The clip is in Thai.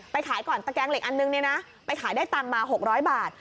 ขายก่อนตะแกงเหล็กอันนึงเนี่ยนะไปขายได้ตังค์มา๖๐๐บาท